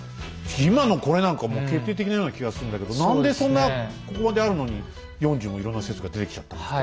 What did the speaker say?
今のこれなんかもう決定的なような気がするんだけど何でそんなここまであるのに４０もいろんな説が出てきちゃったんですか？